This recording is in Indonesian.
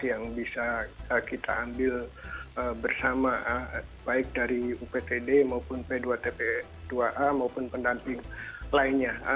yang bisa kita ambil bersama baik dari uptd maupun p dua tp dua a maupun pendamping lainnya